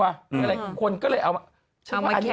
ผมเลยดูคนก็เลยเอา